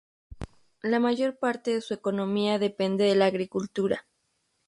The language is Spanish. La mayor parte de su economía depende de la agricultura.